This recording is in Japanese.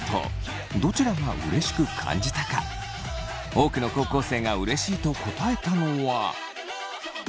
多くの高校生がうれしいと答えたのは。